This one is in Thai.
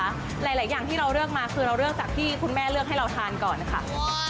หลายอย่างที่เราเลือกมาคือเราเลือกจากที่คุณแม่เลือกให้เราทานก่อนค่ะ